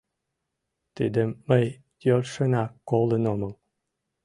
Тидым мый йӧршынак колын омыл.